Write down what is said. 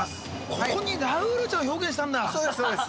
ここにラウールちゃんを表現したんだそうです